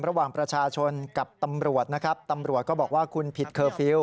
ระหว่างประชาชนกับตำรวจนะครับตำรวจก็บอกว่าคุณผิดเคอร์ฟิลล